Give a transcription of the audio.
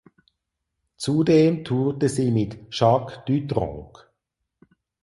Zudem tourte sie mit Jacques Dutronc.